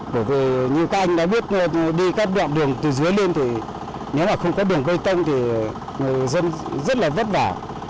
bởi vì như các anh đã biết đi các đoạn đường từ dưới lên thì nếu mà không có đường bê tông thì người dân rất là vất vả